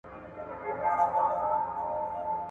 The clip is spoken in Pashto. د افغانستان جنوبي سیمې ستراتیژیک اهمیت لري.